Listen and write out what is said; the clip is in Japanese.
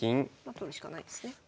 取るしかないですね。